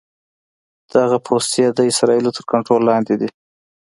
دغه پوستې د اسرائیلو تر کنټرول لاندې دي.